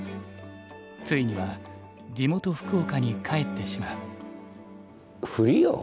ついには地元福岡に帰ってしまう。